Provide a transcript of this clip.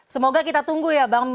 semoga kita tunggu ya bang